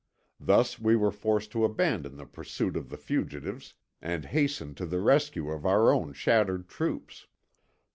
Thus we were forced to abandon the pursuit of the fugitives and hasten to the rescue of our own shattered troops.